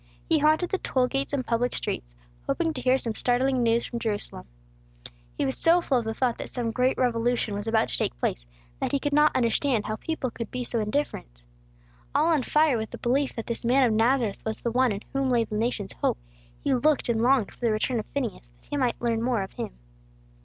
He haunted the toll gates and public streets, hoping to hear some startling news from Jerusalem. He was so full of the thought that some great revolution was about to take place, that he could not understand how people could be so indifferent. All on fire with the belief that this man of Nazareth was the one in whom lay the nation's hope, he looked and longed for the return of Phineas, that he might learn more of Him.